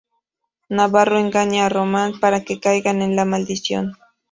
Navarro engaña a Roman para que caiga en la maldición.